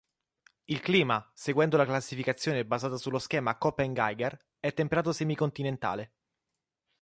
Il clima, seguendo la classificazione basata sullo schema Koppen-Geiger è Temperato semi continentale.